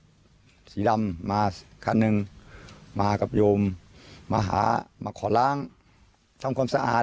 สีดำมาคันหนึ่งมากับโยมมาหามาขอล้างทำความสะอาด